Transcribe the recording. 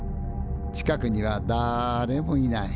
近くにはだれもいない。